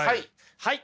はい！